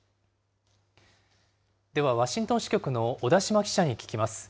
では、ワシントン支局の小田島記者に聞きます。